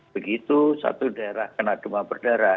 begitu satu daerah kena demam berdarah